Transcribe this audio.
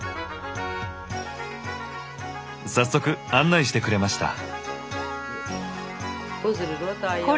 早速案内してくれました。